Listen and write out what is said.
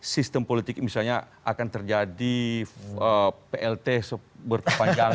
sistem politik misalnya akan terjadi plt berkepanjangan